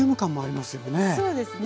そうですね。